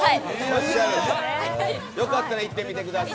よかったら行ってみてください。